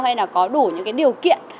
hay là có đủ những cái điều kiện